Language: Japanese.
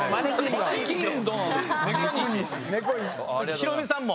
ヒロミさんも。